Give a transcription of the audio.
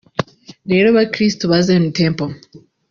Rero Bakirisito ba Zion Temple